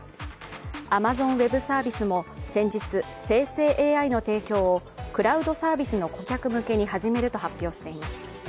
アマゾン・ウェブ・サービスも先日、生成ＡＩの提供をクラウドサービスの顧客向けに始めると発表しています。